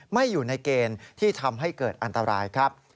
ไม่อยู่ในเกณฑ์ที่ทำให้เกิดอันตรายครับ